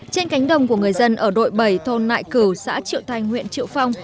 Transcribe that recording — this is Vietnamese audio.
trên cánh đồng của người dân ở đội bảy thôn nại cửu xã triệu thanh huyện triệu phong